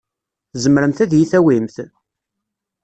Tzemremt ad iyi-tawimt?